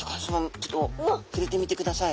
ちょっとふれてみてください。